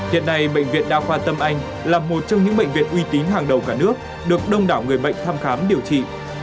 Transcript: hiện nay bệnh viện đa khoa tâm anh là một trong những bệnh viện uy tín hàng đầu cả nước được đông đảo người bệnh thăm khám điều trị